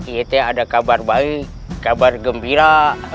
it ada kabar baik kabar gembira